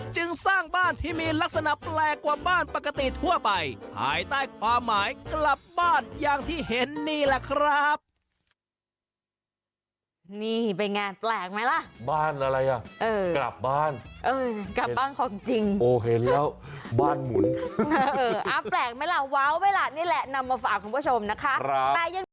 จึงสร้างบ้านที่มีลักษณะแปลกกว่าบ้านปกติทั่วไปภายใต้ความหมายกลับบ้านอย่างที่เห็นนี่แหละครับ